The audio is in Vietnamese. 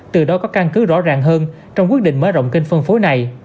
từ đó có căn cứ rõ ràng hơn trong quyết định mở rộng kênh phân phối này